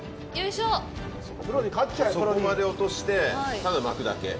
底まで落として、ただ巻くだけ。